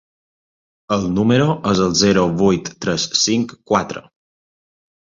El número és el zero vuit tres cinc quatre.